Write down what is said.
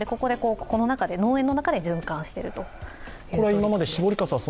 この農園の中で循環しているということですね。